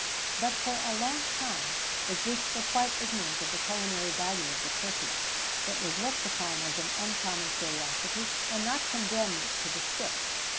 [XVII 102] But for a long time the Greeks were quite ignorant of the culinary value of the turkey; it was looked upon as an uncommon curiosity, and not condemned to the spit.